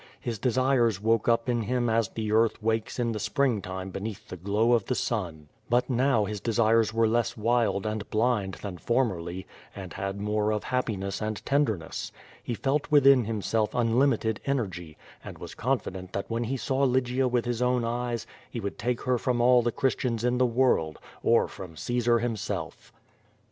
His desires woke up in hun as the earth wakes in the springtime beneath the glow of the sun; but now his desires were less wild and blind than for merly, and had more of happiness and tenderness. He felt within himself unlimited energy, and was confident that when QUO VADI8. 149 he saw Lygia with his own eyes, he would take her from all the Christians in the world, or from Caesar himself.